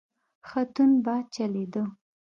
ښه تند باد چلیده.